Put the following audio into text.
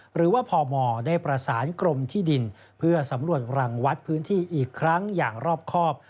หรือว่าพมได้ประสานกรมที่ดินเพื่อสำรวจรังวัดพื้นที่อีกครั้งอย่างรอบครอบ